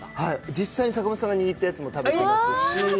実際に坂本さんが握ったやつも食べてますし。